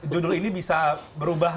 judul ini bisa berubah